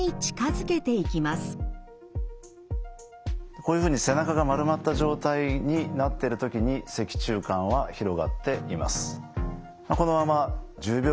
こういうふうに背中が丸まった状態になっている時に脊柱管は広がっています。